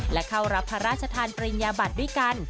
และเข้ารับพระราชทานปริญญาบัตรด้วยกัน